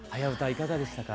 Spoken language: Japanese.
いかがでしたか？